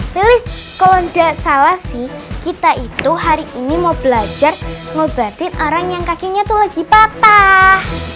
filis kalau tidak salah sih kita itu hari ini mau belajar ngobatin orang yang kakinya tuh lagi patah